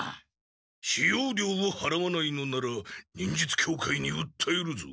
使用料をはらわないのなら忍術協会にうったえるぞ。